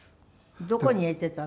どこに入れていたの？